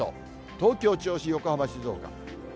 東京、銚子、横浜、静岡。